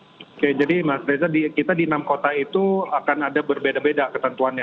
oke jadi mas reza kita di enam kota itu akan ada berbeda beda ketentuannya